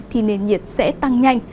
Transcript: thì nền nhiệt sẽ tăng nhanh